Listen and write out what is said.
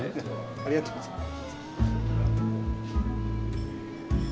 ありがとうございます。